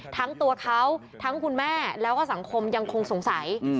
ทั้งตัวเขาทั้งคุณแม่แล้วก็สังคมยังคงสงสัย